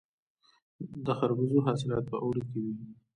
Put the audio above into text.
د خربوزو حاصلات په اوړي کې وي.